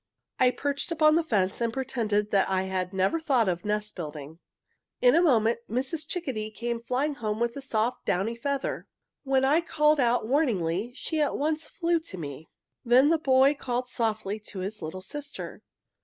"I perched upon the fence and pretended that I had never a thought of nest building. "In a moment Mrs. Chickadee came flying home with a soft, downy feather. When I called out warningly she at once flew to me. "Then the boy called softly to his little sister.